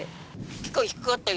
結構低かったよ。